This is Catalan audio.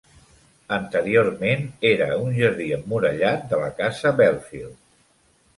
Anteriorment era un jardí emmurallat de la Casa Belfield.